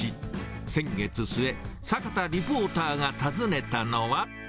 先月末、坂田リポーターが訪ねたのは。